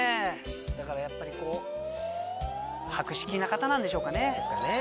だからやっぱりこう博識な方なんでしょうかね。